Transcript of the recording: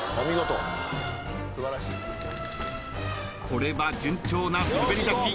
これは順調な滑り出し。